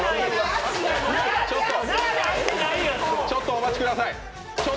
お待ちください。